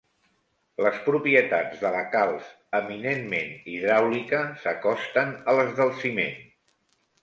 Les propietats de la calç eminentment hidràulica s'acosten a les del ciment.